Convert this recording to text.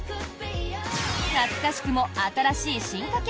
懐かしくも新しい進化系